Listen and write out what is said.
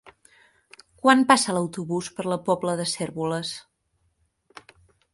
Quan passa l'autobús per la Pobla de Cérvoles?